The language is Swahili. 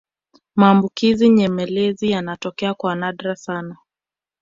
maambukizi nyemelezi yanatokea kwa nadra sana